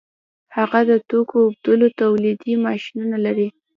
هغه د ټوکر اوبدلو تولیدي ماشینونه لري